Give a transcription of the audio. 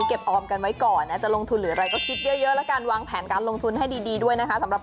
คอละกันมีโชคลาภมั๊ย